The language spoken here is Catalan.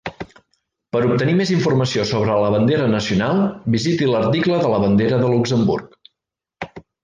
Per obtenir més informació sobre la bandera nacional, visiti l'article de la bandera de Luxemburg.